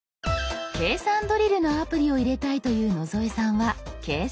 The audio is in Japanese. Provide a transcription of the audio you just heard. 計算ドリルのアプリを入れたいという野添さんは「計算」。